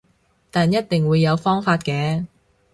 但一定會有方法嘅